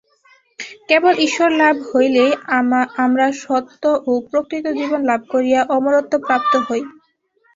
কেবল ঈশ্বরলাভ হইলেই আমরা সত্য ও প্রকৃত জীবন লাভ করিয়া অমরত্ব প্রাপ্ত হই।